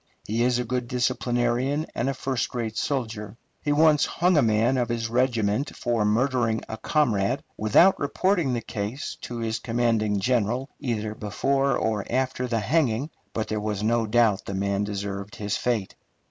He is a good disciplinarian and a first rate soldier. He once hung a man of his regiment for murdering a comrade, without reporting the case to his commanding general either before or after the hanging, but there was no doubt the man deserved his fate.